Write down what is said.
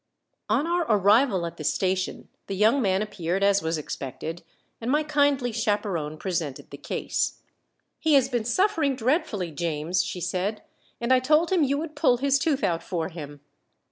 On our arrival at the station the young man appeared as was expected, and my kindly chaperone presented the case. "He has been suffering dreadfully, James," she said, "and I told him you would pull his tooth out for him."